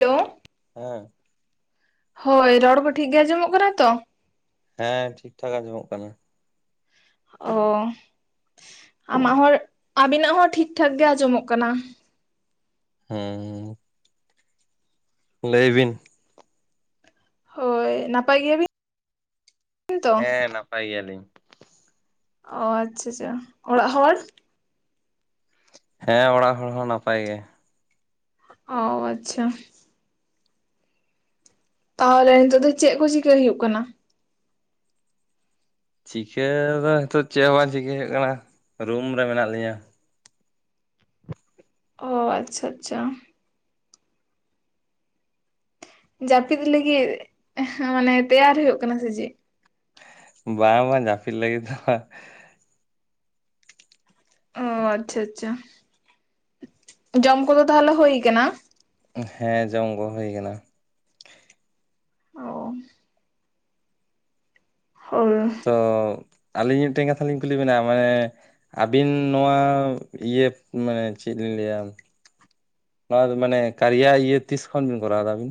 ᱛᱚ᱾ ᱦᱮᱸ᱾ ᱦᱳᱭ ᱨᱚᱲ ᱠᱚ ᱴᱷᱤᱠ ᱜᱮ ᱟᱸᱡᱚᱢᱚᱜ ᱠᱟᱱᱟ ᱛᱚ? ᱦᱮᱸ ᱴᱷᱤᱠ ᱴᱷᱟᱠ ᱟᱸᱡᱚᱢᱚᱜ ᱠᱟᱱᱟ᱾ ᱚ ᱟᱢᱟᱜ ᱦᱚᱨ ᱟᱵᱤᱱᱟᱜ ᱦᱚᱸ ᱴᱷᱤᱠ ᱴᱷᱟᱠ ᱜᱮ ᱟᱸᱡᱚᱢᱚᱜ ᱠᱟᱱᱟ᱾ ᱦᱩᱸ᱾ ᱞᱟᱹᱭ ᱵᱤᱱ᱾ ᱦᱳᱭ ᱱᱟᱯᱟᱭ ᱜᱮᱭᱟ ᱵᱤᱱ? ᱦᱮᱸ ᱱᱟᱯᱟᱭ ᱜᱮᱭᱟ ᱞᱤᱧ᱾ ᱚ ᱟᱪᱪᱷᱟ ᱟᱪᱪᱷᱟ, ᱚᱲᱟᱜ ᱦᱚᱲ? ᱦᱮᱸ ᱚᱲᱟᱜ ᱦᱚᱲ ᱦᱚᱸ ᱱᱟᱯᱟᱭ ᱜᱮ᱾ ᱚ ᱟᱪᱪᱷᱟ᱾ ᱛᱟᱦᱚᱞᱮ ᱱᱤᱛᱚᱜ ᱫᱚ ᱪᱮᱜ ᱠᱚ ᱪᱤᱠᱟᱹᱭ ᱦᱩᱭᱩᱜ ᱠᱟᱱᱟ? ᱪᱤᱠᱟᱹ ᱫᱚ ᱱᱤᱛᱚᱜ ᱪᱮᱜ ᱦᱚᱸ ᱵᱟᱝ ᱪᱤᱠᱟᱹᱭ ᱦᱩᱭᱩᱜ ᱠᱟᱱᱟ ᱨᱩᱢ ᱨᱮ ᱢᱮᱱᱟᱜ ᱞᱤᱧᱟᱹ᱾ ᱚᱻ ᱟᱪᱪᱷᱟ ᱟᱪᱪᱷᱟ᱾ ᱡᱟᱯᱤᱫ ᱞᱟᱹᱜᱤᱫ ᱮᱦᱮᱸ ᱢᱟᱱᱮ ᱛᱮᱭᱟᱨ ᱦᱩᱭᱩᱜ ᱠᱟᱱᱟ ᱥᱮ ᱪᱤᱜ? ᱵᱟᱝ ᱵᱟᱝ ᱡᱟᱯᱤᱫ ᱞᱟᱹᱜᱤᱫ ᱫᱚ ᱵᱟᱝ᱾ ᱚ ᱟᱪᱪᱷᱟ ᱟᱪᱪᱷᱟ ᱡᱚᱢ ᱠᱚᱫᱚ ᱛᱟᱦᱚᱞᱮ ᱦᱩᱭ ᱟᱠᱟᱱᱟ? ᱦᱮᱸ ᱡᱚᱢ ᱠᱚ ᱦᱩᱭ ᱠᱟᱱᱟ᱾ [inaudible] [inaudible] ᱛᱚ ᱟᱹᱞᱤᱧ ᱢᱤᱫᱴᱮᱱ ᱠᱟᱛᱷᱟ ᱞᱤᱧ ᱠᱩᱞᱤ ᱵᱮᱱᱟ ᱢᱟᱹ ᱟᱹᱵᱤᱱ ᱱᱚᱣᱟ ᱤᱭᱟᱹ ᱢᱟᱱᱮ ᱪᱮᱜ ᱞᱤᱧ ᱞᱟᱹᱭᱟ ᱱᱚᱣᱟ ᱫᱚ ᱢᱟᱱᱮ ᱠᱟᱨᱭᱟ ᱤᱭᱟᱹ ᱛᱤᱥ ᱠᱷᱚᱱ ᱵᱤᱱ ᱠᱚᱨᱟᱣ ᱮᱫᱟ ᱟᱵᱤᱱ?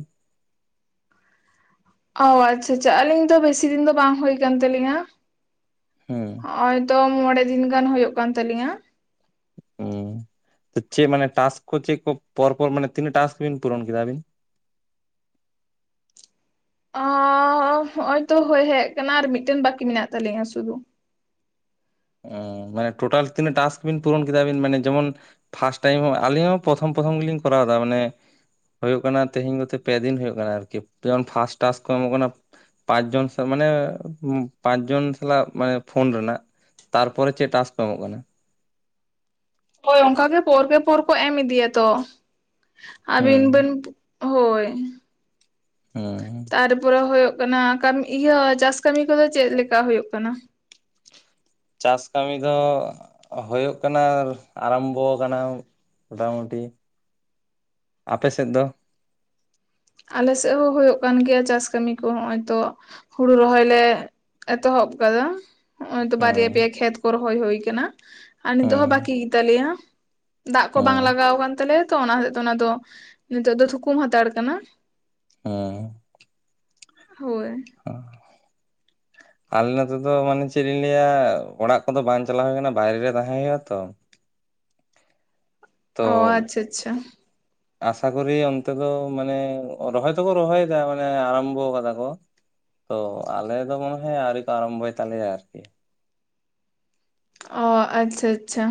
ᱚ ᱟᱪᱪᱷᱟ ᱟᱪᱪᱷᱟ ᱟᱹᱞᱤᱧ ᱫᱚ ᱵᱮᱥᱤ ᱫᱤᱱ ᱫᱚ ᱵᱟᱝ ᱦᱩᱭ ᱠᱟᱱ ᱛᱟᱹᱞᱤᱧᱟ᱾ ᱦᱩᱸ᱾ ᱦᱚᱸᱭᱼᱚᱭ ᱛᱚ ᱢᱚᱬᱮ ᱫᱤᱱ ᱜᱟᱱ ᱦᱩᱭᱩᱜ ᱠᱟᱱ ᱛᱟᱹᱟᱞᱤᱧᱟ᱾ ᱦᱩᱸ, ᱪᱮᱫ ᱢᱟᱱᱮ ᱴᱟᱥᱠ ᱠᱚ ᱪᱮᱫ ᱠᱚ ᱯᱚᱨ ᱯᱚᱨ ᱢᱟᱱᱮ ᱛᱤᱱᱟᱹᱜ ᱴᱟᱥᱠ ᱵᱤᱱ ᱯᱩᱨᱚᱱ ᱠᱮᱫᱟ ᱟᱹᱵᱤᱱ? ᱚᱻ ᱦᱚᱸᱜᱼᱚᱭ ᱛᱚ ᱦᱳᱭ ᱦᱮᱡ ᱟᱠᱟᱱᱟ ᱟᱨ ᱢᱤᱫᱴᱮᱱ ᱵᱟᱹᱠᱤ ᱢᱮᱱᱟᱜ ᱛᱟᱹᱞᱤᱧᱟ ᱥᱩᱫᱩ᱾ ᱚ ᱢᱟᱱᱮ ᱴᱳᱴᱟᱞ ᱛᱤᱱᱟᱹᱜ ᱴᱟᱥᱠ ᱵᱤᱱ ᱯᱩᱨᱚᱱ ᱠᱮᱫᱟ ᱟᱵᱤᱱ ᱢᱟᱱᱮ ᱡᱮᱢᱚᱱ ᱯᱷᱟᱥᱴ ᱴᱟᱭᱤᱢ ᱦᱚᱸ ᱟᱹᱞᱤᱧ ᱦᱚᱸ ᱯᱨᱚᱛᱷᱚᱢ ᱯᱨᱚᱛᱷᱚᱢ ᱜᱮᱞᱤᱧ ᱠᱚᱨᱟᱣ ᱮᱫᱟ ᱢᱟᱱᱮ ᱦᱩᱭᱩᱜ ᱠᱟᱱᱟ ᱛᱮᱦᱤᱧ ᱠᱚᱛᱮ ᱯᱮ ᱫᱤᱱ ᱦᱩᱭᱩᱜ ᱠᱟᱱᱟ ᱟᱨᱠᱤ ᱡᱮᱢᱚᱱ ᱯᱷᱟᱥᱴ ᱴᱟᱥᱠ ᱠᱚ ᱮᱢᱚᱜ ᱠᱟᱱᱟ ᱯᱟᱸᱪ ᱡᱚᱱ ᱥᱮ ᱢᱟᱱᱮ, ᱯᱟᱸᱪ ᱡᱚᱱ ᱥᱟᱞᱟᱜ ᱢᱟᱱᱮ ᱯᱷᱳᱱ ᱨᱮᱱᱟᱜ᱾ ᱛᱟᱨᱯᱚᱨᱮ ᱪᱮᱫ ᱴᱟᱥᱠ ᱠᱚ ᱮᱢᱚᱜ ᱠᱟᱱᱟ? ᱦᱳᱭ ᱚᱱᱠᱟᱜᱮ ᱯᱚᱨ ᱠᱮ ᱯᱚᱨ ᱠᱚ ᱮᱢ ᱤᱫᱤᱭᱟ ᱛᱚ ᱟᱹᱵᱤᱱ ᱦᱩᱸ ᱵᱮᱱ ᱦᱳᱭ᱾ ᱦᱩᱸ᱾ ᱛᱟᱨᱯᱚᱨᱮ ᱦᱩᱭᱩᱜ ᱠᱟᱱᱟ ᱠᱟ. ᱠᱟᱢᱤ ᱤᱭᱟᱹ ᱪᱟᱥ ᱠᱟᱹᱢᱤ ᱠᱚᱫᱚ ᱪᱮᱫ ᱞᱮᱠᱟ ᱦᱩᱭᱩᱜ ᱠᱟᱱᱟ? ᱪᱟᱥ ᱠᱟᱹᱢᱤ ᱫᱚ ᱦᱩᱭᱩᱜ ᱠᱟᱱᱟ ᱟᱨᱟᱢᱵᱚ ᱟᱠᱟᱱᱟ᱾ ᱢᱚᱴᱟᱢᱩᱴᱤ, ᱟᱯᱮ ᱥᱮᱫ ᱫᱚ? ᱟᱞᱮ ᱥᱮᱫ ᱦᱚᱸ ᱦᱳᱭᱳᱜ ᱠᱟᱱ ᱜᱮᱭᱟ ᱪᱟᱥ ᱠᱟᱹᱢᱤ ᱠᱚ ᱦᱚᱸᱭᱼᱚᱭ ᱛᱚ, ᱦᱩᱲᱩ ᱨᱚᱦᱚᱭ ᱞᱮ ᱮᱛᱚᱦᱚᱵ ᱟᱠᱟᱫᱟ᱾ ᱦᱚᱸᱜᱼᱚᱭ ᱛᱚ ᱵᱟᱨᱭᱟ ᱦᱩᱸ ᱯᱮᱭᱟ ᱠᱷᱮᱛ ᱠᱚ ᱨᱚᱦᱚᱭ ᱦᱩᱭ ᱠᱟᱱᱟ ᱟᱨ ᱱᱤᱛᱚᱜ ᱦᱚᱸ ᱦᱩᱸ ᱵᱟᱠᱤ ᱜᱮᱛᱟᱞᱮᱭᱟ᱾ ᱫᱟᱜ ᱠᱚ ᱵᱟᱝ ᱦᱩᱸ ᱞᱟᱜᱟᱣ ᱟᱠᱟᱱ ᱛᱟᱞᱮᱭᱟ ᱛᱚ ᱚᱱᱟ ᱦᱚᱛᱮᱡ ᱛᱮ ᱚᱱᱟ ᱫᱚ ᱱᱤᱛᱚᱜ ᱫᱚ ᱛᱷᱩᱠᱩᱢ ᱦᱟᱛᱟᱲ ᱟᱠᱟᱱᱟ᱾ ᱦᱮᱸ᱾ ᱦᱳᱭ᱾ ᱟᱞᱮ ᱱᱚᱛᱮ ᱫᱚ ᱢᱟᱱᱮ ᱪᱮᱫ ᱞᱤᱧ ᱞᱟᱹᱭᱟ ᱚᱲᱟᱜ ᱠᱚᱫᱚ ᱵᱟᱝ ᱪᱟᱞᱟᱣ ᱦᱩᱭ ᱟᱠᱟᱱᱟ ᱵᱟᱭᱨᱮ ᱨᱮ ᱛᱟᱦᱮᱸ ᱦᱳᱭᱳᱜᱼᱟ ᱛᱚ᱾ ᱛᱚ ᱚ ᱟᱪᱪᱷᱟ ᱟᱪᱪᱷᱟ᱾ ᱟᱥᱟ ᱠᱚᱨᱤ ᱚᱱᱛᱮ ᱫᱚ ᱢᱟᱱᱮ ᱨᱚᱦᱚᱭ ᱫᱚᱠᱚ ᱨᱚᱦᱚᱭ ᱫᱟ ᱢᱟᱱᱮ ᱟᱨᱟᱢᱵᱚ ᱠᱟᱫᱟ ᱠᱚ᱾ ᱛᱚ ᱟᱞᱮ ᱫᱚ ᱢᱚᱱᱮ ᱦᱚᱭ ᱟᱹᱣᱨᱤ ᱠᱚ ᱟᱨᱟᱢᱵᱷᱚᱭ ᱛᱟᱞᱮᱭᱟ ᱟᱨᱠᱤ᱾ ᱚ ᱟᱪᱪᱷᱟ ᱟᱪᱪᱷᱟ᱾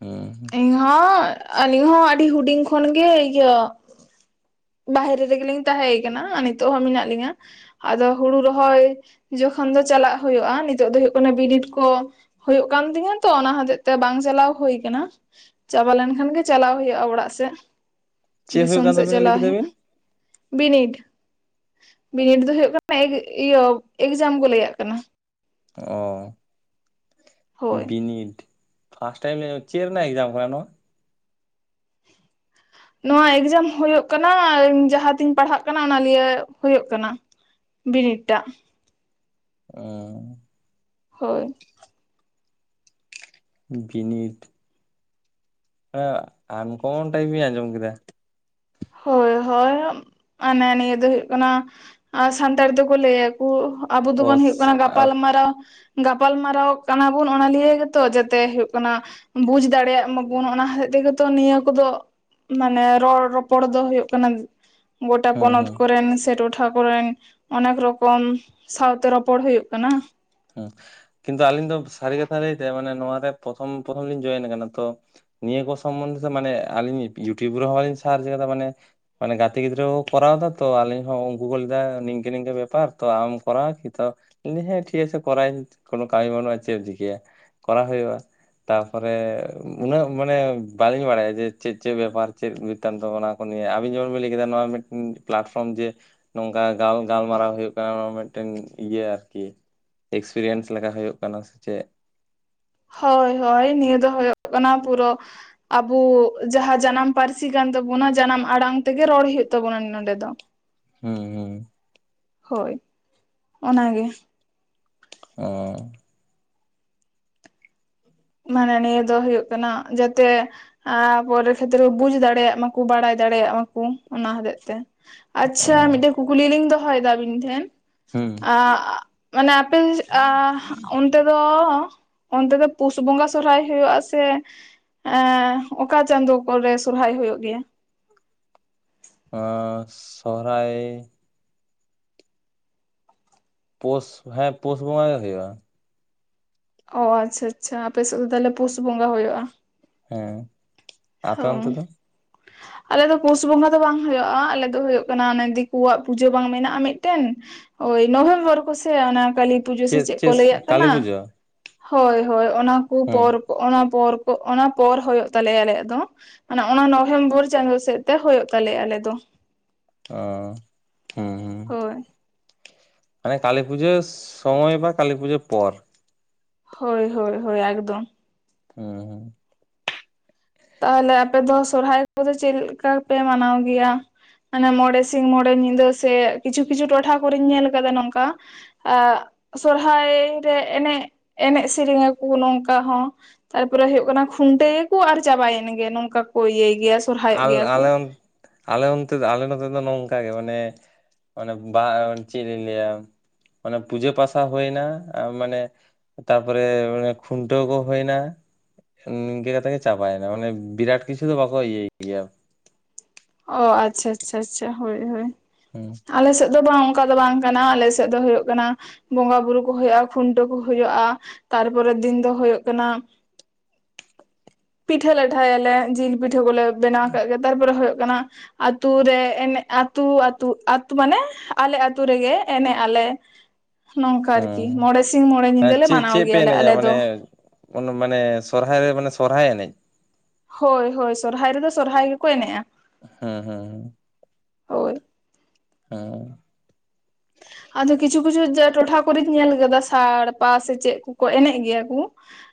ᱦᱩᱸ᱾ ᱤᱧᱦᱚᱸ, ᱟᱹᱞᱤᱧ ᱦᱚᱸ ᱟᱹᱰᱤ ᱦᱩᱰᱤᱧ ᱠᱷᱚᱱᱜᱮ ᱤᱭᱟᱹ ᱵᱟᱦᱨᱮ ᱨᱮᱜᱮᱞᱤᱧ ᱛᱟᱦᱮᱸ ᱟᱠᱟᱱᱟ ᱟᱨ ᱱᱤᱛᱚᱜ ᱦᱚᱸ ᱢᱮᱱᱟᱜ ᱞᱤᱧᱟᱹ, ᱟᱫᱚ ᱦᱩᱲᱩ ᱨᱚᱦᱚᱭ ᱡᱚᱠᱷᱚᱱ ᱫᱚ ᱪᱟᱞᱟᱜ ᱦᱩᱭᱩᱜᱼᱟ ᱱᱤᱛᱚᱜ ᱫᱚ ᱦᱩᱭᱩᱜ ᱠᱟᱱᱟ ᱵᱤᱱᱤᱰ ᱠᱚ, ᱦᱩᱭᱩᱜ ᱠᱟᱱ ᱛᱤᱧᱟᱹ ᱛᱚ ᱚᱱᱟ ᱦᱚᱛᱮᱡ ᱛᱮ ᱵᱟᱝ ᱪᱟᱞᱟᱣ ᱦᱩᱭᱳ ᱟᱠᱟᱱᱟ᱾ ᱪᱟᱵᱟ ᱞᱮᱱᱠᱷᱟᱱ ᱜᱮ ᱪᱟᱞᱟᱣ ᱦᱩᱭᱩᱜᱼᱟ ᱚᱲᱟᱜ ᱥᱮᱫ, ᱪᱮᱫ ᱦᱩᱭᱩᱜ ᱫᱤᱥᱚᱢ ᱠᱟᱱ ᱥᱮᱫ ᱛᱟᱵᱤᱱᱟ ᱞᱟᱹᱭ ᱪᱟᱞᱟᱣ ᱠᱮᱫᱟ ᱦᱩᱭᱩᱜᱼᱟ᱾ ᱵᱤᱱ ᱵᱤᱱᱤᱰ᱾ ᱵᱤᱱᱤᱰ ᱫᱚ ᱦᱩᱭᱩᱜᱜ ᱠᱟᱱᱟ ᱮᱜ ᱤᱭᱟᱹ ᱮᱠᱡᱟᱢ ᱠᱚ ᱞᱟᱹᱭᱟᱜ ᱠᱟᱱᱟ᱾ ᱚ, ᱦᱳᱭ ᱵᱤᱱᱤᱰ᱾ ᱯᱷᱟᱥᱴ ᱴᱟᱭᱤᱢ ᱞᱤᱧ ᱟᱸᱡᱚᱢ, ᱪᱮᱫ ᱨᱮᱱᱟᱜ ᱮᱠᱡᱟᱢ ᱠᱟᱱᱟ ᱱᱚᱣᱟ? ᱱᱚᱣᱟ ᱮᱠᱡᱟᱢ ᱦᱩᱭᱩᱜ ᱠᱟᱱᱟ ᱤᱧ ᱡᱟᱦᱟᱸᱛᱤᱧ ᱯᱟᱲᱦᱟᱜ ᱠᱟᱱᱟ ᱚᱱᱟ ᱞᱤᱭᱮ ᱦᱩᱭᱩᱜ ᱠᱟᱱᱟ᱾ ᱵᱤᱱᱤᱰ ᱴᱟᱜ᱾ ᱚ᱾ ᱦᱳᱭ᱾ ᱵᱤᱱᱤᱰ᱾ ᱮᱸ ᱟᱱᱠᱚᱢᱚᱱ ᱴᱟᱭᱯᱤᱧ ᱟᱸᱡᱚᱢ ᱠᱮᱫᱟ᱾ ᱦᱳᱭ ᱦᱚᱭ, ᱢᱟᱱᱮ ᱱᱤᱭᱟᱹ ᱫᱚ ᱦᱩᱭᱩᱜ ᱠᱟᱱᱟ ᱟ ᱥᱟᱱᱛᱟᱲ ᱛᱮᱠᱚ ᱞᱟᱹᱭᱟ ᱠᱚ ᱟᱵᱚ ᱚ ᱫᱚᱵᱚᱱ ᱦᱩᱭᱩᱜ ᱠᱟᱱᱟ ᱜᱟᱯᱟᱞ ᱢᱟᱨᱟᱣ ᱜᱟᱯᱟᱞ ᱢᱟᱨᱟᱣᱚᱜ ᱠᱟᱱᱟ ᱵᱚᱱ ᱚᱱᱟ ᱞᱤᱭᱟᱹ ᱜᱮᱛᱚ ᱡᱮᱛᱮ ᱦᱩᱭᱩᱜ ᱠᱟᱱᱟ ᱵᱩᱡᱽ ᱫᱟᱲᱮᱭᱟᱜ ᱢᱟ ᱵᱚᱱ, ᱚᱱᱟ ᱦᱚᱛᱮᱡ ᱜᱮᱛᱚ ᱱᱤᱭᱟᱹ ᱠᱚᱫᱚ ᱢᱟᱱᱮ ᱨᱚᱲ ᱨᱚᱯ ᱯᱚᱲ ᱫᱚ ᱦᱩᱭᱩᱜ ᱠᱟᱱᱟ᱾ ᱜᱚᱴᱟ ᱦᱩᱸ ᱯᱚᱱᱚᱛ ᱦᱩᱸ ᱠᱚᱨᱮᱱ ᱥᱮ ᱴᱚᱴᱷᱟ ᱠᱚᱨᱮᱱ᱾ ᱚᱱᱮᱠ ᱨᱚᱠᱚᱢ ᱥᱟᱣᱛᱮ ᱨᱚᱯᱚᱲ ᱦᱩᱭᱩᱜ ᱠᱟᱱᱟ᱾ ᱩᱸ ᱠᱤᱱᱛᱩ ᱟᱹᱞᱤᱧ ᱫᱚ ᱥᱟᱹᱨᱤ ᱠᱟᱛᱷᱟ ᱞᱟᱹᱭᱛᱮ, ᱢᱟᱱᱮ ᱱᱚᱣᱟ ᱨᱮ ᱯᱚᱛᱷᱚᱢ ᱯᱚᱛᱷᱚᱢ ᱞᱤᱧ ᱡᱚᱭᱮᱱ ᱠᱟᱱᱟ ᱛᱚ ᱱᱤᱭᱟᱹ ᱠᱚ ᱥᱚᱢᱵᱚᱱᱫᱷᱮ ᱛᱮ ᱢᱟᱱᱮ ᱟᱹᱞᱤᱧ ᱤᱭᱩᱴᱩᱵᱽ ᱨᱮᱦᱚᱸ ᱵᱟᱹᱞᱤᱧ ᱥᱟᱨᱪ ᱠᱟᱫᱟ ᱢᱟᱱᱮ ᱜᱟᱛᱮ ᱜᱤᱫᱽᱨᱟᱹ ᱠᱚ ᱠᱚᱨᱟᱣ ᱫᱟ, ᱛᱚ ᱟᱹᱞᱤᱧ ᱦᱚᱸ ᱩᱝᱠᱩ ᱠᱝᱩ ᱞᱟᱹᱭᱫᱟ, ᱱᱤᱝᱠᱟᱹ ᱱᱤᱝᱠᱟᱹ ᱵᱮᱯᱟᱨ ᱛᱚ ᱟᱢ ᱠᱚᱨᱟᱣ ᱠᱤ ᱛᱚ ᱞᱟᱹᱭ ᱫᱟᱹᱧ ᱦᱮᱸ ᱴᱷᱤᱠ ᱟᱪᱷᱮ, ᱠᱚᱨᱟᱣᱤᱧ ᱠᱳᱱᱳ ᱠᱟᱹᱢᱤ ᱵᱟᱹᱱᱩᱜ-ᱟ᱾ ᱪᱮᱫ ᱮᱢ ᱪᱤᱠᱟᱹᱭᱟ ᱠᱚᱨᱟᱣ ᱦᱳᱭᱳᱜ-ᱟ᱾ ᱛᱟᱯᱚᱨᱮ ᱩᱱᱟᱹᱜ ᱢᱟᱱᱮ ᱵᱟᱹᱞᱤᱧ, ᱵᱟᱲᱟᱭᱟ ᱡᱮ ᱪᱮᱫ ᱪᱮᱫ ᱵᱮᱯᱟᱨ ᱪᱮᱫ? [unintelligible] ᱚᱱᱟ ᱠᱚ ᱱᱤᱭᱟᱹ ᱟᱹᱵᱤᱱ ᱡᱮᱢᱚᱱ ᱵᱤᱱ ᱞᱟᱹᱭ ᱠᱮᱫᱟ ᱱᱚᱣᱟ ᱢᱤᱫᱴ ᱯᱞᱟᱴᱯᱷᱚᱨᱚᱢ ᱡᱮ ᱱᱚᱝᱠᱟ ᱜᱟᱞ ᱜᱟᱞᱢᱟᱨᱟᱣ ᱦᱩᱭᱩᱜ ᱠᱟᱱᱟ᱾ ᱱᱚᱣᱟ ᱢᱤᱫᱴᱮᱱ ᱤᱭᱟᱹ ᱟᱨᱠᱤ᱾ ᱮᱠᱥᱯᱨᱤᱭᱮᱱᱥ ᱞᱮᱠᱟ ᱦᱩᱭᱩᱜ ᱠᱟᱱᱟ ᱾ᱥᱮ ᱪᱮᱫ ᱦᱳᱭ ᱦᱳᱭ ᱱᱤᱭᱟᱹ ᱫᱚ ᱦᱩᱭᱩᱜ ᱠᱟᱱᱟ᱾ ᱯᱩᱨᱳᱹ ᱟᱵᱩ ᱡᱟᱦᱟᱸ ᱡᱟᱱᱟᱢ ᱯᱟᱹᱨᱥᱤ ᱠᱟᱱ ᱛᱟᱵᱚᱱᱟ, ᱡᱟᱱᱟᱢ ᱟᱲᱟᱝ ᱛᱮᱜᱮ ᱨᱚᱲ ᱦᱩᱭᱩᱜ ᱛᱟᱵᱚᱱᱟ ᱱᱚᱸᱰᱮ ᱫᱚ᱾ ᱦᱩᱸ ᱦᱩᱸ ᱦᱳᱭ ᱚᱱᱟᱜᱮ᱾ ᱚ ᱢᱟᱱᱮ ᱱᱤᱭᱟᱹ ᱫᱚ ᱦᱳᱭᱳᱜ ᱠᱟᱱᱟ ᱡᱟᱛᱮ ᱟᱨ ᱯᱚᱨᱮᱨ ᱠᱷᱮᱛᱨᱮ ᱵᱩᱡᱽ ᱫᱟᱲᱮᱭᱟᱜ, ᱢᱟᱠᱩ ᱵᱟᱲᱟᱭ ᱫᱟᱲᱮᱭᱟᱜ ᱢᱟᱠᱩ ᱚᱱᱟ ᱦᱚᱛᱮᱜ ᱛᱮ ᱚ ᱟᱪᱪᱷᱟ ᱢᱤᱴᱤᱱ ᱠᱩᱠᱞᱤ ᱞᱤᱧ ᱫᱚᱦᱚᱭ ᱫᱟ ᱟᱹᱵᱤᱱ ᱴᱷᱮᱱ ᱦᱩᱸ ᱟᱜ? ᱢᱟᱱᱮ ᱟᱯᱮ [unintelligible] ᱥᱮᱫ ᱟ ᱚᱱᱛᱮ ᱫᱚ ᱚᱱᱛᱮ ᱫᱚ ᱯᱩᱥ ᱵᱚᱸᱜᱟ ᱥᱚᱨᱦᱟᱭ ᱦᱩᱭᱩᱜ-ᱟ᱾ ᱥᱮ ᱮᱸ ᱚᱠᱟ ᱪᱟᱸᱫᱳ ᱠᱚᱨᱮ ᱥᱚᱨᱦᱟᱭ ᱦᱩᱭᱩᱜ ᱜᱮᱭᱟ? ᱚ ᱥᱚᱨᱦᱟᱭ ᱯᱩᱥ ᱦᱮᱸ ᱯᱩᱥ ᱵᱚᱸᱜᱟ ᱜᱮ ᱦᱩᱭᱩᱜ-ᱟ᱾ ᱚ ᱟᱪᱪᱷᱟ ᱟᱪᱪᱷᱟ ᱟᱯᱮ ᱥᱮᱫ ᱫᱚ ᱛᱟᱦᱚᱞᱮ ᱯᱩᱥ ᱵᱚᱸᱜᱟ ᱦᱩᱭᱩᱜ-ᱟ᱾ ᱦᱮᱸ ᱟᱯᱮ ᱦᱳᱸ ᱚᱱᱛᱮ ᱫᱚ ᱟᱞᱮ ᱫᱚ ᱯᱩᱥ ᱵᱚᱸᱜᱟ ᱫᱚ ᱵᱟᱝ ᱦᱩᱭᱩᱜ-ᱟ᱾ ᱟᱞᱮ ᱫᱚ ᱦᱩᱭᱩᱜ ᱠᱟᱱᱟ᱾ ᱚᱱᱮ ᱫᱤᱠᱩᱣᱟᱜ ᱯᱩᱡᱟᱹ ᱵᱟᱝ ᱢᱮᱱᱟᱜ-ᱟ ᱢᱤᱴᱮᱱ᱾ ᱳᱭ ᱱᱚᱵᱷᱮᱢᱵᱚᱨ ᱠᱚᱥᱮ ᱚᱱᱟ ᱠᱟᱹᱞᱤ ᱯᱩᱡᱟᱹ ᱥᱮ ᱪᱮᱫ ᱠᱚ, ᱞᱟᱹᱭᱟᱜ ᱠᱟᱱᱟ᱾ ᱦᱳᱭ ᱦᱳᱭ ᱚᱱᱟ ᱠᱩ ᱦᱩᱸ ᱯᱚᱨ ᱚᱱᱟ ᱯᱚᱨ ᱠᱚ ᱚᱱᱟ ᱯᱚᱨ ᱦᱤᱭᱳᱜ ᱛᱟᱞᱮᱭᱟ ᱟᱞᱮᱭᱟᱜ ᱫᱚ ᱚᱱᱟ ᱚᱱᱟ ᱱᱚᱵᱷᱮᱢᱵᱚᱨ ᱪᱟᱸᱫᱳ ᱥᱮᱫ ᱛᱮ ᱦᱳᱭᱳᱜ ᱛᱟᱞᱮᱭᱟ ᱟᱞᱮ ᱫᱚ᱾ ᱚ ᱦᱩᱸ ᱦᱩᱸ ᱾ [unintelligible] ᱢᱟᱱᱮ ᱠᱟᱞᱤ ᱯᱩᱡᱟᱹ ᱥᱳᱢᱚᱭ ᱵᱟ ᱠᱟᱞᱤ ᱯᱩᱡᱟᱹ ᱯᱚᱨ᱾ ᱦᱳᱭ ᱦᱳᱭ ᱦᱳᱭ ᱮᱠᱫᱚᱢ᱾ ᱦᱩᱸᱸᱸ ᱛᱟᱦᱚᱞᱮ ᱟᱯᱮ ᱫᱚ ᱥᱚᱨᱦᱟᱭ ᱠᱚᱫᱚ ᱪᱮᱫ ᱞᱮᱠᱟ ᱯᱮ ᱢᱟᱱᱟᱣ ᱜᱮᱭᱟ? ᱚᱱᱮ ᱢᱚᱬᱮ ᱥᱤᱧᱝ ᱢᱚᱬᱮ ᱧᱤᱫᱟᱹ ᱥᱮ ᱠᱤᱪᱷᱩ ᱠᱤᱪᱷᱩ ᱴᱚᱴᱷᱟ ᱠᱚᱨᱮᱧ ᱧᱮᱞ ᱟᱠᱟᱫᱟ ᱱᱚᱝᱠᱟ ᱮ ᱥᱚᱨᱦᱟᱭ ᱨᱮ ᱮᱱᱮ ᱮᱱᱮᱡ ᱥᱮᱨᱮᱧ ᱟᱠᱚ ᱱᱚᱝᱠᱟ ᱦᱚᱸ᱾ ᱛᱟᱨᱯᱚᱨᱮ ᱦᱩᱭᱩᱜ ᱠᱟᱱᱟ᱾ ᱠᱷᱩᱱᱴᱟᱹᱣ ᱜᱮᱠᱚ ᱟᱨ ᱪᱟᱵᱟᱭᱮᱱ ᱜᱮ ᱱᱚᱝᱠᱟ ᱠᱚ ᱤᱭᱟᱹᱭ ᱜᱮᱭᱟ ᱾ ᱟᱞ ᱟᱞᱮ ᱚᱱ ᱟᱞᱮ ᱚᱱᱛᱮ ᱟᱞᱮ ᱱᱚᱛᱮ ᱫᱚ ᱱᱚᱝᱠᱟᱜᱮ ᱢᱟᱱᱮ? ᱚᱱᱮ ᱵᱟ ᱪᱮᱫ ᱞᱤᱧ ᱞᱟᱹᱭᱟ ᱚᱱᱟ ᱯᱩᱡᱟᱹ ᱯᱟᱥᱟ ᱦᱩᱭᱱᱟ᱾ ᱢᱟᱱᱮ ᱛᱟᱯᱚᱨᱮ ᱢᱟᱱᱮ ᱠᱷᱩᱱᱴᱟᱹᱣ ᱠᱚ ᱦᱳᱭᱱᱟ᱾ ᱩᱸ ᱱᱤᱝᱠᱟᱹ ᱠᱟᱛᱮᱜᱮ ᱪᱟᱵᱟᱭᱱᱟ ᱢᱟᱱ ᱵᱤᱨᱟᱴ ᱠᱤᱪᱷᱩ ᱫᱚ ᱵᱟᱠᱚ ᱤᱭᱟᱹᱭ ᱜᱮᱭᱟ᱾ ᱚ ᱟᱪᱪᱷᱟ ᱟᱪᱪᱷᱟ ᱟᱪᱪᱷᱟ ᱦᱳᱭ ᱦᱳᱭ᱾ ᱦᱩᱸ ᱟᱞᱮ ᱥᱮᱜ ᱫᱚ ᱟᱫᱚ ᱚᱝᱠᱟ ᱫᱚ ᱵᱟᱝ ᱠᱟᱱᱟ ᱟᱞᱮ ᱥᱮᱫ ᱫᱚ ᱦᱩᱭᱩᱜ ᱠᱟᱱᱟ᱾ ᱵᱚᱸᱜᱟ ᱵᱩᱨᱩ ᱠᱚ ᱦᱳᱭᱳᱜ-ᱟ ᱠᱷᱩᱱᱴᱟᱹᱣ ᱠᱚ ᱦᱳᱭᱳᱜ-ᱟ ᱛᱟᱨᱯᱚᱨᱮᱨ ᱫᱤᱱ ᱫᱚ ᱦᱳᱭᱳᱜ ᱠᱟᱱᱟ ᱯᱤᱴᱷᱟᱹ ᱞᱟᱴᱷᱟᱭ ᱟᱞᱮ ᱡᱤᱞ ᱯᱤᱴᱷᱟᱹ ᱠᱚᱞᱮ ᱵᱮᱱᱟᱣ ᱠᱟᱜ ᱜᱮ ᱛᱟᱨᱯᱚᱨᱮ ᱦᱳᱭᱳᱜ ᱠᱟᱱᱟ ᱟᱹᱛᱩ ᱨᱮ ᱮᱱᱮᱜ ᱟᱹᱛᱩ ᱟᱹᱛᱩ ᱟᱛ ᱢᱟᱱᱮ ᱟᱞᱮ ᱟᱹᱛᱩ ᱨᱮᱜᱮ ᱮᱱᱮᱜ ᱟᱞᱮ ᱱᱚᱝᱠᱟ ᱟᱨᱠᱤ ᱦᱩᱸ ᱢᱚᱬᱮ ᱥᱤᱧ ᱢᱚᱬᱮ ᱧᱤᱫᱟᱹᱞᱮ ᱢᱟᱱᱟᱣ ᱜᱮᱭᱟᱞᱮ ᱟᱞᱮ ᱫᱚ ᱚᱱᱮ ᱢᱟᱱᱮ ᱥᱚᱨᱦᱟᱭ ᱨᱮ ᱢᱟᱱᱮ ᱥᱚᱨᱦᱟᱭ ᱮᱱᱮᱡ ᱦᱳᱭ ᱦᱳᱭ ᱥᱚᱨᱦᱟᱭ ᱨᱮᱫᱚ ᱥᱚᱨᱦᱟᱭ ᱜᱮᱠᱚ ᱮᱱᱮᱜ-ᱟ ᱦᱮᱸ ᱦᱚᱸ ᱦᱳᱭ ᱦᱚᱸ ᱟᱫᱚ ᱠᱤᱪᱷᱩ ᱠᱤᱪᱷᱩ ᱡᱮ ᱴᱚᱴᱷᱟ ᱠᱚᱨᱮᱧ ᱧᱮᱞ ᱟᱠᱟᱫᱟ ᱥᱟᱲᱯᱟ ᱥᱮ ᱪᱮᱫ ᱠᱚᱠᱚ ᱮᱱᱮᱡ ᱜᱤᱭᱟ ᱠᱩ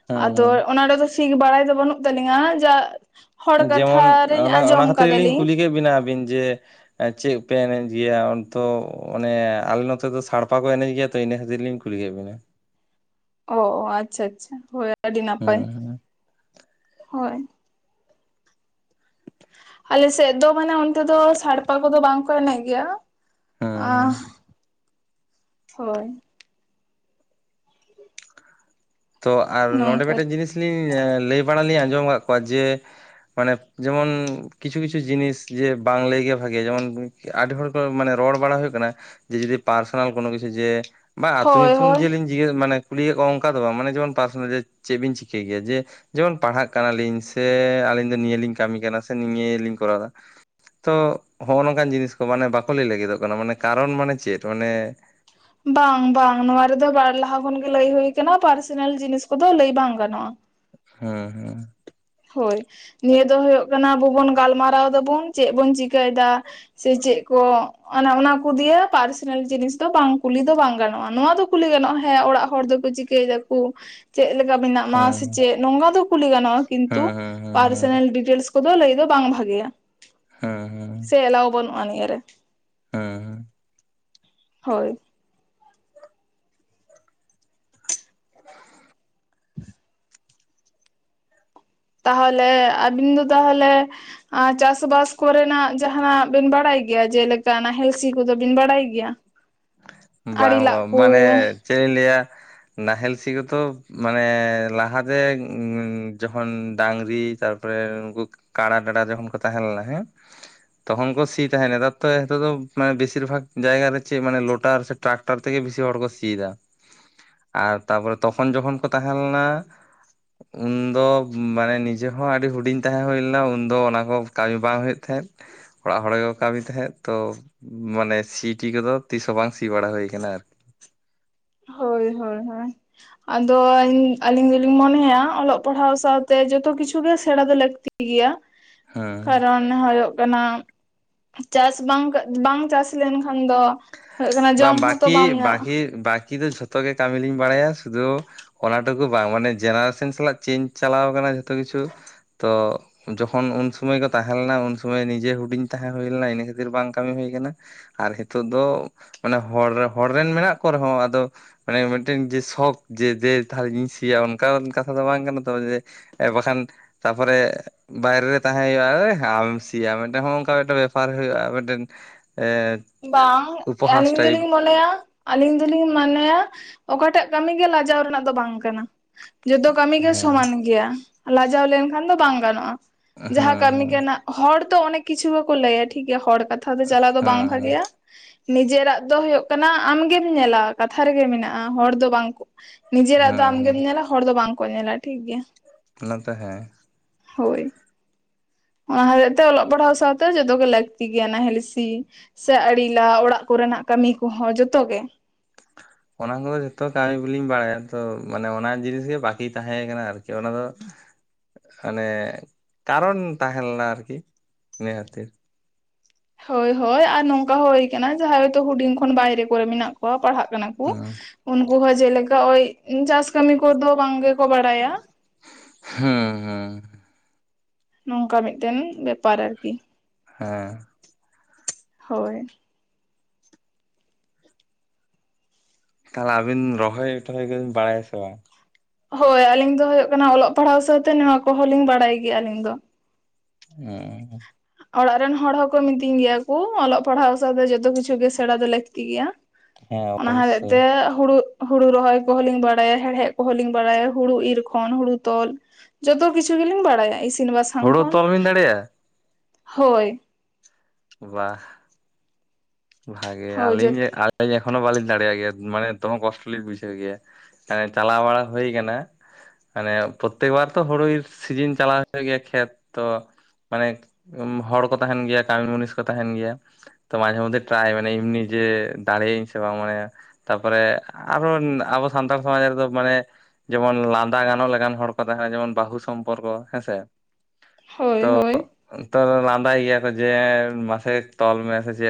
ᱦᱩᱸ ᱟᱫᱚ ᱦᱩᱸ ᱚᱱᱟ ᱲᱮᱫᱚ ᱥᱤᱠ ᱵᱟᱲᱟᱭ ᱫᱚ ᱵᱟᱹᱱᱩᱜ ᱛᱟᱹᱞᱤᱝᱟ ᱡᱟ ᱦᱚᱲ ᱡᱮᱢᱚᱱ ᱠᱟᱛᱷᱟ ᱨᱤᱧ ᱚᱱᱟ ᱚᱱᱟ ᱟᱸᱡᱚᱢ ᱠᱷᱟᱹᱛᱤᱨ ᱜᱮᱞᱤᱧ ᱠᱟᱫᱟᱞᱤᱧ ᱠᱩᱞᱤ ᱠᱮᱜ ᱵᱤᱱᱟ ᱟᱹᱵᱤᱱ ᱡᱮ ᱪᱮᱜ ᱯᱮ ᱮᱱᱮᱡ ᱜᱮᱭᱟ ᱛᱚ ᱚᱱᱮ ᱟᱞᱮ ᱱᱚᱛᱮ ᱫᱚ ᱥᱟᱲᱯᱟ ᱠᱚ ᱮᱱᱮᱡ ᱜᱮᱭᱟ ᱛᱚ ᱤᱱᱟᱹ ᱠᱷᱟᱹᱛᱤᱨ ᱞᱤᱧ ᱠᱩᱞᱤ ᱠᱮᱜ ᱵᱤᱱᱟ ᱚ ᱚ ᱟᱪᱪᱷᱟ ᱟᱪᱪᱷᱟ ᱦᱚᱭ ᱟᱹᱰᱤ ᱦᱩᱸ ᱱᱟᱯᱟᱭ ᱦᱩᱸ ᱦᱚᱭ ᱟᱞᱮ ᱥᱮᱜ ᱫᱚ ᱢᱟᱱᱮ ᱚᱱᱛᱮ ᱫᱚ ᱥᱟᱲᱯᱟ ᱠᱚᱫᱚ ᱵᱟᱝ ᱠᱚ ᱮᱱᱮᱜ ᱜᱮᱭᱟ ᱦᱩᱸ ᱟᱸ ᱦᱩᱸ ᱦᱳ ᱞᱟᱹᱭᱢᱮ ᱛᱚ ᱟᱨ ᱱᱚᱸᱰᱮ ᱱᱚᱝᱠᱟ ᱢᱤᱫᱴᱟᱹᱱ ᱟᱨᱠᱤ ᱡᱤᱱᱤᱥ ᱞᱤᱧ ᱞᱟᱹᱭ ᱵᱟᱲᱟᱞᱤᱧ ᱟᱸᱡᱚᱢ ᱠᱟᱜ ᱠᱚᱣᱟ ᱡᱮ ᱢᱟᱱᱮ ᱡᱮᱢᱚᱱ ᱠᱤᱪᱷᱩ ᱠᱤᱪᱷᱩ ᱡᱤᱱᱤᱥ ᱡᱮ ᱵᱟᱝ ᱞᱮᱹᱭ ᱜᱮ ᱵᱷᱟᱜᱮᱭᱟ ᱡᱮᱢᱚᱱ ᱟᱹᱰᱤ ᱦᱚᱲ ᱠᱚ ᱢᱟᱱᱮ ᱨᱚᱲ ᱵᱟᱲᱟ ᱦᱳᱭᱳᱜ ᱠᱟᱱᱟ ᱡᱮ ᱡᱩᱫᱤ ᱯᱟᱨᱥᱚᱱᱟᱞ ᱠᱳᱱᱳ ᱠᱤᱪᱷᱩ ᱡᱮ ᱵᱟᱝᱟ ᱟᱹᱛᱩ ᱦᱳᱭ ᱧᱩᱛᱩᱢ ᱦᱳᱭ ᱡᱮᱞᱤᱧ ᱡᱤᱜᱟᱹᱭ ᱢᱟᱱᱮ ᱠᱩᱞᱤᱭᱮᱜ ᱠᱚᱣᱟ ᱚᱝᱠᱟ ᱫᱚ ᱵᱟᱝ ᱢᱟᱱᱮ ᱡᱮᱢᱚᱱ ᱯᱟᱨᱥᱚᱱᱟᱞ ᱡᱮ ᱪᱮᱫ ᱵᱤᱱ ᱪᱤᱠᱟᱹᱭ ᱜᱮᱭᱟ ᱡᱮ ᱡᱮᱢᱚᱱ ᱯᱟᱲᱦᱟᱜ ᱠᱟᱱᱟᱞᱤᱧ ᱥᱮ ᱟᱹᱞᱤᱧ ᱫᱚ ᱱᱤᱭᱟᱹ ᱞᱤᱧ ᱠᱟᱹᱢᱤ ᱠᱟᱱᱟ ᱥᱮ ᱱᱤᱭᱟᱹ ᱞᱤᱧ ᱠᱚᱨᱟᱣᱫᱟ ᱛᱚ ᱦᱚᱸᱜ-ᱚ ᱱᱚᱝᱠᱟᱱ ᱡᱤᱱᱤᱥ ᱠᱚ ᱢᱟᱱᱮ ᱵᱟᱠᱚ ᱞᱟᱹᱭ ᱞᱟᱹᱜᱤᱫᱚᱜ ᱠᱟᱱᱟ ᱢᱟᱱᱮ ᱠᱟᱨᱚᱱ ᱢᱟᱱᱮ ᱪᱮᱫ ᱚᱱᱮ ᱵᱟᱝ ᱵᱟᱝ ᱱᱚᱣᱟ ᱨᱮᱫᱚ ᱵᱟᱨ ᱞᱟᱦᱟ ᱠᱷᱚᱱ ᱜᱮ ᱞᱟᱹᱭ ᱦᱩᱭ ᱠᱟᱱᱟ ᱯᱟᱨᱥᱚᱱᱮᱞ ᱡᱤᱱᱤᱥ ᱠᱚᱫᱚ ᱞᱟᱹᱭ ᱵᱟᱝ ᱜᱟᱱᱚᱜ-ᱟ ᱦᱮᱸ ᱦᱩᱸ ᱦᱳᱭ ᱱᱤᱭᱟᱹ ᱫᱚ ᱦᱳᱭᱳᱜ ᱠᱟᱱᱟ ᱟᱵᱚ ᱵᱚᱱ ᱜᱟᱞᱢᱟᱨᱟᱣ ᱫᱟᱵᱩᱱ ᱪᱮᱜ ᱵᱚᱱ ᱪᱤᱠᱟᱹᱭᱫᱟ ᱥᱮ ᱪᱮᱜ ᱠᱚ ᱚᱱᱮ ᱚᱱᱟ ᱠᱚ ᱫᱤᱭᱮ ᱯᱟᱨᱥᱚᱱᱮᱞ ᱡᱤᱱᱤᱥ ᱫᱚ ᱵᱟᱝ ᱠᱩᱞᱤ ᱫᱚ ᱵᱟᱝ ᱜᱟᱱᱚᱜ-ᱟ ᱱᱚᱣᱟ ᱫᱚ ᱠᱩᱞᱤ ᱜᱟᱱᱚᱜ-ᱟ ᱦᱮᱸ ᱚᱲᱟᱜ ᱦᱚᱲ ᱫᱚᱠᱚ ᱪᱤᱠ ᱠᱟᱹᱭ ᱫᱟᱠᱩ ᱪᱮᱜ ᱞᱮᱠᱟ ᱢᱮᱱᱟ ᱢᱟ ᱦᱩᱸ ᱥᱮ ᱪᱮᱫ ᱱᱚᱝᱠᱟ ᱫᱚ ᱠᱩᱞᱤ ᱜᱟᱱᱚᱜ-ᱟ ᱠᱤᱱᱛᱩ ᱦᱩᱸ ᱦᱩᱸ ᱦᱩᱸ ᱯᱟᱨᱥᱮ ᱦᱩᱸ ᱰᱤᱴᱮᱞᱥ ᱠᱚᱫᱚ ᱞᱟᱹᱭ ᱫᱚ ᱵᱟᱝ ᱵᱷᱟᱜᱮᱭᱟ ᱦᱩᱸ ᱦᱩᱸ ᱦᱩᱸ ᱥᱮ ᱮᱞᱟᱣ ᱵᱟᱹᱱᱩᱜ-ᱟ ᱱᱤᱭᱟᱹᱨᱮ ᱦᱩᱸ ᱦᱳᱭ [inaudible] ᱛᱟᱦᱚᱞᱮ ᱟᱵᱤᱱ ᱫᱚ ᱛᱟᱦᱚᱞᱮ ᱟ ᱪᱟᱥᱵᱟᱥ ᱠᱚᱨᱮᱱᱟᱜ ᱡᱟᱦᱟᱸ ᱵᱤᱱ ᱵᱟᱲᱟᱭ ᱜᱮᱭᱟ ᱡᱮᱞᱮᱠᱟ ᱱᱟᱦᱮᱞ ᱥᱤ ᱠᱚᱫᱚ ᱵᱤᱱ ᱵᱟᱲᱟᱭ ᱜᱮᱭᱟ ᱟᱹᱲᱤ ᱞᱟᱜ ᱠᱳ ᱪᱮᱜ ᱤᱧ ᱞᱟᱹᱭᱟ ᱱᱟᱦᱮᱞ ᱥᱤ ᱜᱮ ᱛᱚ ᱢᱟᱱᱮ ᱞᱟᱦᱟᱛᱮ ᱡᱚᱠᱷᱚᱱ ᱰᱟᱝᱨᱤ ᱛᱟᱨᱯᱚᱨᱮ ᱩᱱᱠᱩ ᱠᱟᱲᱟ ᱵᱷᱮᱰᱟ ᱡᱚᱠᱷᱚᱱ ᱠᱚ ᱛᱟᱦᱮᱸ ᱞᱮᱱᱟ ᱦᱮᱸ ᱛᱠᱷᱚᱱ ᱠᱚ ᱥᱤ ᱛᱟᱦᱮᱱ ᱱᱮᱛᱟᱨ ᱛᱚ ᱱᱤᱛᱳᱜ ᱫᱚ ᱢᱟᱱᱮ ᱵᱮᱥᱤᱨ ᱵᱷᱟᱜᱽ ᱡᱟᱭᱜᱟ ᱪᱮᱜ ᱢᱟᱱᱮ ᱞᱚᱴ ᱴᱟᱨ ᱥᱮ ᱴᱨᱟᱠᱴᱟᱨ ᱛᱮ ᱜᱮ ᱵᱤᱥᱤ ᱦᱚᱲ ᱠᱚ ᱥᱤᱭ ᱮᱫᱟ᱾ ᱟᱨ ᱛᱟᱯᱚᱨᱮ ᱛᱚᱠᱷᱚᱱ ᱡᱚᱠᱷᱚᱱ ᱠᱚ ᱛᱟᱦᱮᱸ ᱞᱮᱱᱟ ᱩᱱᱫᱚ ᱢᱟᱱᱮ ᱱᱤᱡᱮ ᱦᱚᱸ ᱟᱹᱰᱤ ᱦᱩᱰᱤᱧ ᱛᱟᱦᱮᱸ ᱦᱩᱭ ᱞᱮᱱᱟ ᱩᱱᱫᱚ ᱚᱱᱟ ᱠᱚ ᱠᱟᱹᱢᱤ ᱵᱟᱝ ᱦᱩᱭᱩᱜ ᱛᱟᱦᱮᱸᱫ ᱚᱲᱟᱜ ᱦᱚᱲ ᱜᱮᱠᱚ ᱠᱟᱹᱢᱤ ᱛᱟᱦᱮᱸᱫ ᱛᱚ, ᱢᱟᱱᱮ ᱥᱤ ᱴᱤ ᱠᱚᱫᱚ ᱛᱤᱥᱦᱚᱸ ᱵᱟᱝ ᱥᱤ ᱵᱟᱲᱟ ᱦᱩᱭ ᱠᱟᱱᱟ ᱟᱨᱠᱤ᱾ ᱦᱳᱭ ᱦᱳᱭ ᱦᱳᱭ᱾ ᱟᱫᱚ ᱟᱞᱤᱧ ᱫᱚᱞᱤᱧ ᱢᱚᱱᱮᱭᱟ ᱚᱞᱚᱜ ᱯᱟᱲᱦᱟᱣ ᱥᱟᱶᱛᱮ ᱡᱚᱛᱚ ᱠᱤᱪᱷᱩ ᱜᱮ ᱥᱮᱬᱟ ᱫᱚ ᱞᱟᱹᱠᱛᱤ᱾ ᱜᱮᱭᱟ ᱦᱮᱸ ᱾ᱠᱟᱨᱚᱱ ᱢᱟᱱᱮ ᱦᱳᱭᱳᱜ ᱠᱟᱱᱟ, ᱪᱟᱥ ᱵᱟᱝ ᱠᱟ ᱵᱟᱝ ᱪᱟᱥ ᱞᱮᱱᱠᱷᱟᱱ ᱫᱚ ᱦᱩᱭᱩᱜ ᱠᱟᱱᱟ ᱵᱟᱝ ᱡᱚᱢ ᱦᱚᱸᱛᱚ ᱵᱟᱠᱤ, ᱵᱟᱢ ᱧᱟᱢ ᱵᱟᱠᱤ, ᱵᱟᱠᱤ ᱫᱚ ᱡᱷᱚᱛᱚ ᱜᱮ ᱠᱟᱹᱢᱤ ᱫᱩᱧ ᱵᱟᱲᱟᱭᱟ, ᱥᱩᱫᱷᱩ ᱚᱱᱟ ᱴᱩᱠᱩ ᱵᱟᱝ ᱢᱟᱱᱮ ᱡᱮᱱᱟᱨᱮᱥᱮᱱ ᱥᱟᱞᱟᱜ ᱪᱮᱧᱡᱽ ᱪᱟᱞᱟᱣ ᱠᱟᱱᱟ ᱡᱷᱚᱛᱚ ᱠᱤᱪᱷᱩ ᱛᱚ᱾ ᱡᱚᱠᱷᱚᱱ ᱩᱱ ᱥᱩᱢᱚᱭ ᱠᱚ ᱛᱟᱦᱮᱸᱞᱮᱱᱟ ᱩᱱ ᱥᱩᱢᱚᱭ ᱱᱤᱡᱮ ᱦᱩᱰᱤᱧ ᱛᱟᱦᱮᱸ ᱦᱩᱭ ᱞᱮᱱᱟ ᱤᱱᱟᱹ ᱠᱷᱟᱹᱛᱤᱨ ᱵᱟᱝ ᱠᱟᱹᱢᱤ ᱦᱩᱭ ᱟᱠᱟᱱᱟ᱾ ᱟᱨ ᱱᱤᱛᱚᱜ ᱫᱚ ᱢᱟᱱᱮ ᱦᱚᱲ ᱦᱚᱲ ᱨᱮᱱ ᱢᱮᱱᱟᱜ ᱠᱚ ᱨᱮᱦᱚᱸ ᱟᱫᱚ ᱢᱟᱱᱮ ᱢᱤᱫᱴᱮᱱ ᱡᱮ ᱥᱚᱠ ᱡᱮ ᱫᱚ ᱛᱟᱦᱞᱮ ᱥᱤᱭᱟ ᱚᱱᱠᱟ ᱠᱟᱛᱷᱟ ᱫᱚ ᱵᱟᱝ ᱠᱟᱱᱟ ᱛᱚ ᱡᱮ᱾ ᱮ ᱵᱟᱠᱷᱟᱱ, ᱛᱟᱯᱚᱨᱮ ᱵᱟᱭᱨᱮ ᱨᱮ ᱛᱟᱦᱮᱸ ᱦᱩᱭᱩᱜᱼᱟ ᱳᱭ ᱟᱢ ᱮᱢ ᱥᱤᱭᱟ ᱢᱤᱫᱴᱮᱱ ᱱᱚᱜᱼᱚ ᱱᱚᱝᱠᱟ ᱢᱤᱫᱴᱟᱝ ᱵᱮᱯᱟᱨ ᱦᱩᱭᱩᱜᱼᱟ ᱢᱤᱫᱴᱮᱱ ᱮ ᱵᱟᱝ ᱩᱯᱚᱦᱟᱥ ᱟᱹᱞᱤᱧ ᱴᱟᱭᱤᱯ ᱫᱚᱞᱤᱧ ᱢᱚᱱᱮᱭᱟ, ᱟᱹᱞᱤᱧ ᱫᱚᱞᱤᱧ ᱢᱚᱱᱮᱭᱟ, ᱚᱠᱟᱴᱟᱜ ᱠᱟᱹᱢᱤ ᱜᱮ ᱞᱟᱡᱟᱣ ᱨᱮᱱᱟᱜ ᱫᱚ ᱵᱟᱝ ᱠᱟᱱᱟ᱾ ᱡᱚᱛᱚ ᱠᱟᱹᱢᱤ ᱜᱮ ᱦᱮᱸ ᱥᱚᱢᱟᱱ ᱜᱮᱭᱟ, ᱞᱟᱡᱟᱣ ᱞᱮᱱᱠᱷᱟᱱ ᱫᱚ ᱵᱟᱝ ᱜᱟᱱᱚᱜ-ᱟ᱾ ᱡᱟᱸᱦᱟᱸ ᱦᱮᱸ ᱠᱟᱹᱢᱤ ᱠᱟᱱᱟ ᱦᱚᱲ ᱛᱚ ᱚᱱᱮᱠ ᱠᱤᱪᱷᱩ ᱜᱮᱠᱚ ᱞᱟᱹᱭᱟ ᱴᱷᱤᱠ ᱜᱮᱭᱟ ᱦᱚᱲ ᱠᱟᱛᱷᱟ ᱫᱚ ᱪᱟᱞᱟᱣ ᱫᱚ ᱵᱟᱝ ᱦᱮᱸ [inaudible] ᱱᱤᱡᱮᱨᱟᱜ ᱫᱚ ᱦᱩᱭᱩᱜ ᱠᱟᱱᱟ ᱟᱢᱜᱮᱢ ᱧᱮᱞᱟ ᱠᱟᱛᱷᱟ ᱨᱮᱜᱮ ᱢᱮᱱᱟᱜ-ᱟ, ᱦᱚᱲ ᱫᱚ ᱵᱟᱝ ᱠᱚ ᱦᱮᱸ ᱱᱤᱡᱮᱨᱟᱜ ᱫᱚ ᱦᱮᱸ ᱟᱢᱜᱮᱢ ᱧᱮᱞᱟ ᱦᱚᱲ ᱫᱚ ᱵᱟᱝ ᱠᱚ ᱧᱮᱞᱟ ᱴᱷᱤᱠ ᱜᱮᱭᱟ᱾ ᱚᱱᱟ ᱛᱚ ᱦᱮᱸ᱾ ᱦᱳᱭ᱾ ᱚᱱᱟ ᱦᱚᱛᱮᱡ ᱛᱮ ᱚᱞᱚᱜ ᱯᱟᱲᱦᱟᱣ ᱥᱟᱶᱛᱮ ᱡᱚᱛᱚ ᱜᱮ ᱞᱟᱹᱠᱛᱤ ᱜᱮᱭᱟ ᱱᱟᱦᱮᱞ ᱥᱤ᱾ ᱥᱮ ᱟᱲᱮ ᱞᱟᱜ ᱚᱲᱟᱜ ᱠᱚᱨᱮᱱᱟᱜ ᱠᱟᱹᱢᱤ ᱠᱚᱦᱚᱸ ᱡᱚᱛᱚ ᱜᱮ᱾ ᱚᱱᱟ ᱠᱚᱫᱚ ᱡᱚᱛᱚ ᱠᱟᱹᱢᱤ ᱵᱟᱞᱤᱧ ᱵᱟᱲᱟᱭᱟ ᱛᱚ ᱢᱟᱱᱮ ᱚᱱᱟ ᱡᱤᱱᱤᱥ ᱜᱮ ᱵᱟᱠᱤ ᱛᱟᱦᱮᱸ ᱠᱟᱱᱟ ᱟᱨᱠᱤ ᱚᱱᱟ ᱫᱚ ᱦᱮᱸ ᱢᱟᱱᱮ, ᱠᱟᱨᱚᱱ ᱛᱟᱦᱮᱞᱮᱱᱟ ᱟᱨᱠᱤ ᱤᱱᱟ. ᱠᱷᱹᱛᱤᱨ᱾ ᱦᱳᱭ ᱦᱳᱭ ᱟᱨ ᱱᱚᱝᱠᱟ ᱦᱚ ᱦᱳᱭ ᱟᱠᱟᱱᱟ ᱡᱟᱦᱟᱸᱭ ᱛᱚ ᱦᱩᱰᱤᱧ ᱠᱷᱚᱱ ᱵᱟᱭᱨᱮ ᱠᱚᱨᱮ ᱢᱮᱱᱟᱜ ᱠᱚᱣᱟ ᱯᱟᱲᱦᱟᱜ ᱠᱟᱱᱟ ᱠᱚ᱾ ᱦᱮᱸ ᱩᱱᱠᱩ ᱦᱚᱸ ᱡᱮᱞᱮᱠᱟ ᱳᱭ ᱪᱟᱥ ᱠᱟᱹᱢᱤ ᱠᱚᱫᱚ ᱵᱟᱝ ᱜᱮᱠᱚ ᱵᱟᱲᱟᱭᱟ᱾ ᱦᱮᱸ ᱦᱮᱸ᱾ ᱱᱚᱝᱠᱟ ᱢᱤᱫᱴᱮᱱ ᱵᱮᱯᱟᱨ ᱟᱨᱠᱤ᱾ ᱦᱮᱸ ᱦᱳᱭ᱾ ᱛᱟᱦᱚᱞᱮ ᱟᱵᱤᱱ ᱨᱚᱦᱚᱭ ᱴᱚᱦᱚᱭ ᱠᱚᱵᱤᱱ ᱵᱟᱲᱟᱭᱟ ᱥᱮ ᱵᱟᱝ᱾ ᱦᱳᱭ ᱟᱞᱤᱧ ᱫᱚ ᱦᱳᱭᱳᱜ ᱠᱟᱱᱟ ᱚᱞᱚᱜ ᱯᱟᱲᱦᱟᱣ ᱥᱟᱶᱛᱮ ᱱᱚᱣᱟ ᱠᱚᱦᱚᱸ ᱞᱤᱧ ᱵᱟᱲᱟᱭ ᱜᱮᱭᱟ ᱟᱹᱞᱤᱧ ᱫᱚ᱾ [inaudible] ᱚᱲᱟᱜ ᱨᱮᱱ ᱦᱚᱲ ᱦᱚᱸᱠᱚ ᱢᱤᱛᱟᱹᱧ ᱜᱮᱭᱟ ᱠᱩ ᱚᱞᱚᱜ ᱯᱟᱲᱦᱟᱣ ᱥᱟᱶᱛᱮ ᱡᱚᱛᱚ ᱠᱤᱪᱷᱩ ᱜᱮ ᱥᱮᱬᱟ ᱫᱚ ᱞᱟᱹᱠᱛᱤ ᱜᱮᱭᱟ᱾ ᱦᱮᱸ ᱚᱱᱟ ᱦᱚᱛᱮᱡ ᱚᱵᱚᱥᱥᱳᱭ ᱛᱮ ᱦᱩᱲᱩ ᱦᱩᱲᱩ ᱨᱚᱦᱚᱭ ᱠᱚᱦᱚᱸ ᱞᱤᱧ ᱵᱟᱲᱟᱭᱟ ᱦᱮᱲᱦᱮᱫ ᱠᱚᱦᱚᱸ ᱞᱤᱧ ᱵᱟᱲᱟᱭᱟ ᱦᱩᱲᱩ ᱤᱨ ᱠᱷᱚᱱ ᱦᱩᱲᱩ ᱛᱚᱞ ᱡᱚᱛᱚ ᱠᱤᱪᱷᱩ ᱜᱮᱞᱤᱧ ᱵᱟᱲᱟᱭᱟ ᱤᱥᱤᱱ ᱵᱟᱥᱟᱝ ᱦᱳᱲᱳ ᱠᱷᱚᱱ᱾ ᱛᱚᱞ ᱵᱤᱱ ᱫᱟᱲᱮᱭᱟᱜᱼᱟ ᱦᱳᱭ᱾ ᱵᱟ ᱵᱷᱟᱜᱮ ᱦᱳᱭ ᱡᱚᱛ ᱟᱹᱞᱤᱧ ᱟᱹᱞᱤᱧ ᱮᱠᱷᱚᱱᱳ ᱵᱟᱹᱞᱤᱧ ᱫᱟᱲᱮᱭᱟᱜ ᱜᱮᱭᱟ ᱢᱟᱱᱮ ᱫᱚᱢᱮ ᱠᱚᱥᱴᱚ ᱞᱤᱧ ᱵᱩᱡᱷᱟᱹᱣ ᱜᱮᱭᱟ᱾ ᱮ ᱪᱟᱞᱟᱣ ᱵᱟᱲᱟ ᱦᱩᱭ ᱟᱠᱟᱱᱟ᱾ ᱢᱟᱱᱮ ᱯᱨᱚᱛᱮᱠ ᱵᱟᱨ ᱛᱚ ᱦᱩᱲᱳ ᱥᱤᱡᱤᱱ ᱪᱟᱞᱟᱣ ᱦᱩᱭᱩᱜ ᱜᱮᱭᱟ ᱠᱷᱮᱛ ᱛᱚ᱾ ᱢᱟᱱᱮ ᱦᱚᱲ ᱠᱚ ᱛᱟᱦᱮᱱ ᱜᱮᱭᱟ ᱠᱟᱹᱢᱤᱱ ᱢᱩᱱᱤᱥ ᱠᱚ ᱛᱟᱦᱮᱱ ᱜᱮᱭᱟ ᱾ ᱛᱚ ᱢᱟᱡᱷᱮ ᱢᱚᱫᱽᱷᱮ ᱯᱨᱟᱭ ᱢᱟᱱᱮ ᱮᱢᱱᱤ ᱡᱮ ᱫᱟᱲᱮᱭᱟᱜ ᱤᱧ ᱥᱮ ᱵᱟᱝ ᱢᱟᱱᱮ ᱛᱟᱨᱯᱚᱨᱮ ᱟᱨᱚ ᱟᱵᱚ ᱥᱟᱱᱛᱟᱲ ᱥᱚᱢᱟᱡᱽ ᱨᱮᱫᱚ ᱢᱟᱱᱮ ᱡᱮᱢᱚᱱ ᱞᱟᱸᱫᱟ ᱜᱟᱱᱚᱜ ᱞᱮᱠᱟᱱ ᱦᱚᱲ ᱠᱚ ᱛᱟᱦᱮᱱᱟ ᱡᱮᱢᱚᱱ ᱵᱟᱹᱦᱩ ᱥᱚᱢᱯᱚᱨᱠᱚ ᱦᱮᱸᱥᱮ ᱾ ᱦᱳᱭ ᱦᱳᱭ ᱾ ᱛᱚ ᱟᱫᱚ ᱞᱟᱸᱫᱟᱭ ᱜᱮᱭᱟ ᱠᱚ ᱡᱮ ᱢᱟᱥᱮ ᱛᱚᱞ ᱢᱮ ᱥᱮ ᱪᱮᱫ ᱾